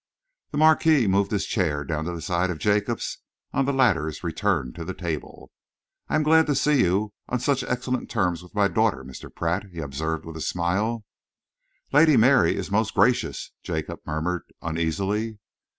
The Marquis moved his chair down to the side of Jacob's, on the latter's return to the table. "I am glad to see you on such excellent terms with my daughter, Mr. Pratt," he observed with a smile. "Lady Mary is most gracious," Jacob murmured uneasily.